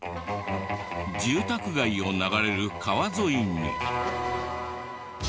住宅街を流れる川沿いに。